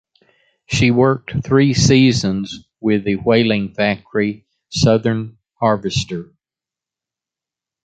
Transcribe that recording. She worked three seasons with the whaling factory "Southern Harvester".